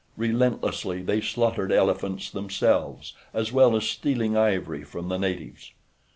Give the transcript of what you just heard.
Relentlessly they slaughtered elephants themselves as well as stealing ivory from the natives.